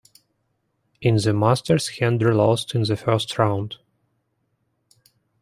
In the Masters Hendry lost in the first round.